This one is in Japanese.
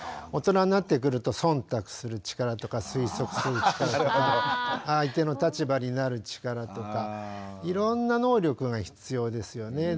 大人になってくると忖度する力とか推測する力とか相手の立場になる力とかいろんな能力が必要ですよね。